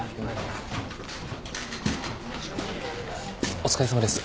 お疲れさまです。